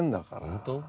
本当？